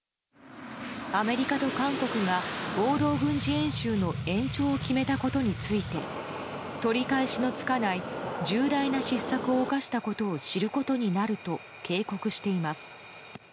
アメリカと韓国が合同軍事演習の延長を決めたことについて取り返しのつかない重大な失策を犯したことを知ることになると警告しています。